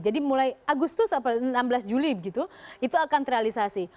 jadi mulai agustus atau enam belas juli gitu itu akan terrealisasi